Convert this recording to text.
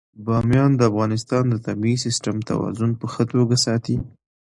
بامیان د افغانستان د طبعي سیسټم توازن په ښه توګه ساتي.